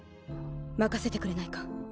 任せてくれないか？